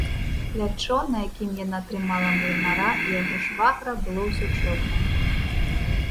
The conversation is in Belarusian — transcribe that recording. Плячо, на якім яна трымала млынара і яго швагра, было ўсё чорнае.